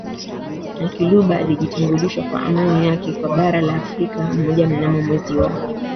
na Kiluba alijitambulisha kwa imani yake kwa bara la Afrika mojaMnamo mwezi wa